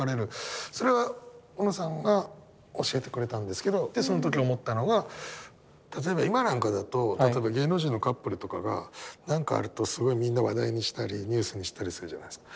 それは小野さんが教えてくれたんですけどその時思ったのが例えば今なんかだと例えば芸能人のカップルとかがなんかあるとすごいみんな話題にしたりニュースにしたりするじゃないですか。